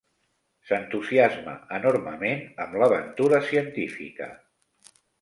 S'entusiasma enormement amb l'aventura científica.